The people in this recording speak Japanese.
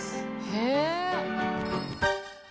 へえ。